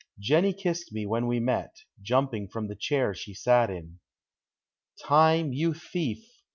Jenny kissed me when we met. Jumping from the chair she sat in. Time, you thief!